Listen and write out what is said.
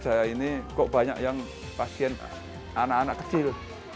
saya ini kok banyak yang pasien anak anak kecil